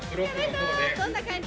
どんな感じ？